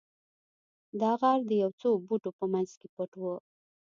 دا غار د یو څو بوټو په مینځ کې پټ و